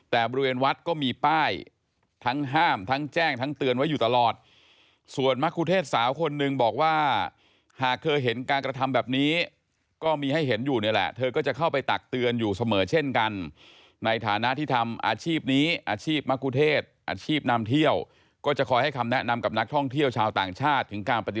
แต่บริเวณวัดก็มีป้ายทั้งห้ามทั้งแจ้งทั้งเตือนไว้อยู่ตลอดส่วนมะคุเทศสาวคนหนึ่งบอกว่าหากเธอเห็นการกระทำแบบนี้ก็มีให้เห็นอยู่นี่แหละเธอก็จะเข้าไปตักเตือนอยู่เสมอเช่นกันในฐานะที่ทำอาชีพนี้อาชีพมะกุเทศอาชีพนำเที่ยวก็จะคอยให้คำแนะนำกับนักท่องเที่ยวชาวต่างชาติถึงการปฏิ